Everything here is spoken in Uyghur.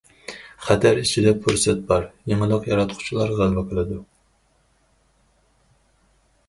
خەتەر ئىچىدە پۇرسەت بار، يېڭىلىق ياراتقۇچىلار غەلىبە قىلىدۇ.